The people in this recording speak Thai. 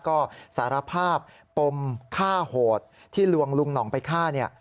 ก็สารภาพปมฆ่าโหดที่ลวงลุงหน่องไปฆ่าเนี่ย